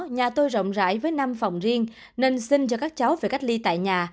nhà tôi rộng rãi với năm phòng riêng nên xin cho các cháu về cách ly tại nhà